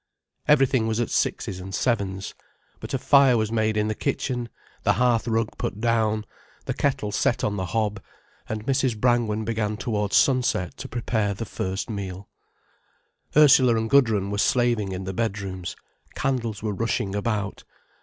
Everything was at sixes and sevens. But a fire was made in the kitchen, the hearth rug put down, the kettle set on the hob, and Mrs. Brangwen began towards sunset to prepare the first meal. Ursula and Gudrun were slaving in the bedrooms, candles were rushing about.